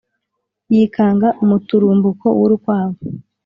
yikanga umuturumbuko w'urukwavu